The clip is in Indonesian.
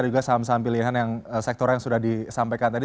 juga saham saham pilihan yang sektor yang sudah disampaikan tadi